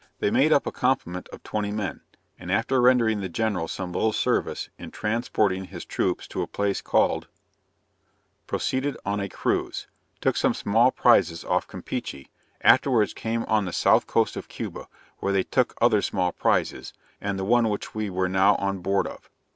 They made up a complement of twenty men, and after rendering the General some little service, in transporting his troops to a place called proceeded on a cruise; took some small prizes off Campeachy; afterwards came on the south coast of Cuba, where they took other small prizes, and the one which we were now on board of.